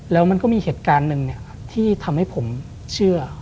แล้วมันก็มีเหตุการณ์หนึ่งที่ทำให้ผมเชื่อ